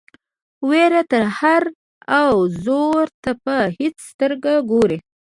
وېره ترهه او زور ته په هیڅ سترګه ګوري.